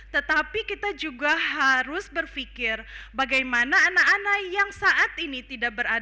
tetapi kita juga harus berpikir bagaimana anak anak yang saat ini tidak berada